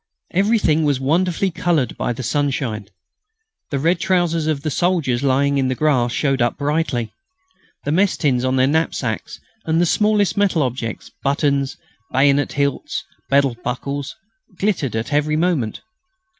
Everything was wonderfully coloured by the sunshine. The red trousers of the soldiers, lying in the grass, showed up brightly. The mess tins on their knapsacks and the smallest metal objects buttons, bayonet hilts, belt buckles glittered at every movement.